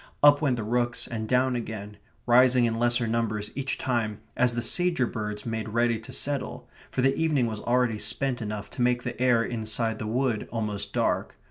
Up went the rooks and down again, rising in lesser numbers each time as the sager birds made ready to settle, for the evening was already spent enough to make the air inside the wood almost dark.